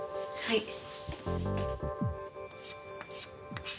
はい。